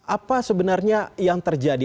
apa sebenarnya yang terjadi